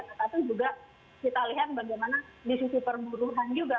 tetapi juga kita lihat bagaimana di sisi perburuhan juga